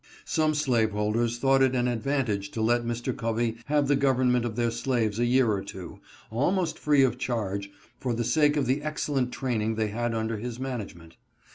Some slaveholders thought it an advantage to let Mr. Covey have the government of their slaves a year or two, almost free of charge, for the sake of the excellent training they had under his management.